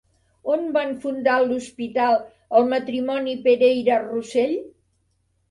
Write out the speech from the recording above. On van fundar l'hospital el matrimoni Pereira-Rossell?